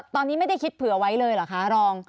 ตอนนี้ไม่ได้คิดเผื่อไว้เลยเหรอคะรอง